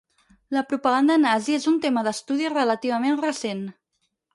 La propaganda nazi és un tema d'estudi relativament recent.